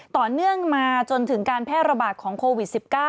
ต่อเนื่องมาจนถึงการแพร่ระบาดของโควิด๑๙